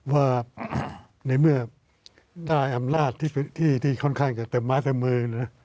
ว่าในเมื่อได้อำนาจที่ค่อนข้างจะเต็มไม้เต็มมือนะ